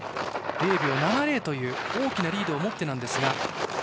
０秒７０という大きなリードを持ってです。